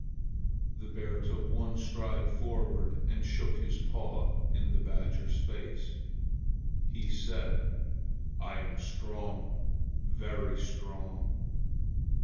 The bear took one stride forward and shook his paw in the badger's face. He said: "I am strong, very strong!"